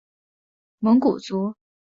蒙古族。